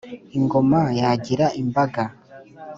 ingoma yagira imbaga.